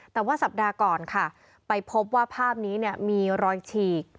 แต่ว่าสัปดาห์ก่อนค่ะไปพบว่าภาพนี้มีรอยฉีก